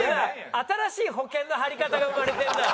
新しい保険の張り方が生まれてるな。